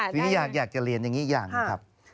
ทีนี้อยากจะเรียนอย่างนี้อีกอย่างหนึ่งครับ